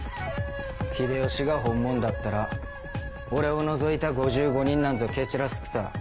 秀吉がホンモンだったら俺を除いた５５人なんぞ蹴散らすくさ。